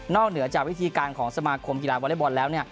เหนือจากวิธีการของสมาคมกีฬาวอเล็กบอลแล้ว